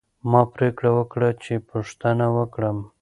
ما پریکړه وکړه چې پوښتنه وکړم.